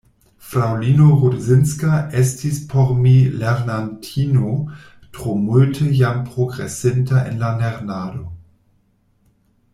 Fraŭlino Rudzinska estis por mi lernantino tro multe jam progresinta en la lernado.